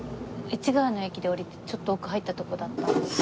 市ケ谷の駅で降りてちょっと奥入った所だったんですよ。